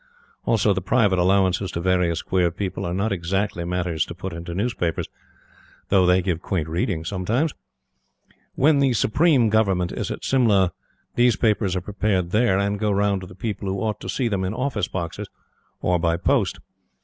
Also, the private allowances to various queer people are not exactly matters to put into newspapers, though they give quaint reading sometimes. When the Supreme Government is at Simla, these papers are prepared there, and go round to the people who ought to see them in office boxes or by post.